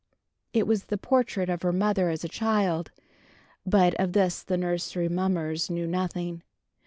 It was the portrait of her mother as a child; but of this the nursery mummers knew nothing.